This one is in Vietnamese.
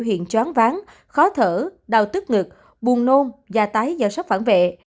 chuyện chóng ván khó thở đau tức ngực buồn nôn già tái do sắp phản vệ